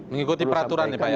mengikuti peraturan ya pak ya